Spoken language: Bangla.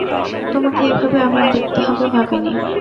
তোমাকে এভাবে আবার দেখতে হবে ভাবিনি।